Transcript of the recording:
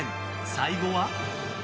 最後は。